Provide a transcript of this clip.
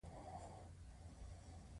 شپږم څپرکی د پانګوالۍ د کړکېچونو په اړه دی